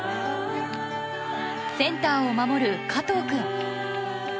センターを守る加藤君。